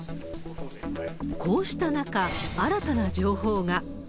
こうした中、新たな情報が。